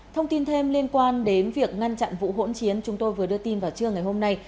thông tin thêm liên quan đến việc ngăn chặn vụ hỗn chiến chúng tôi vừa đưa tin vào trưa ngày hôm nay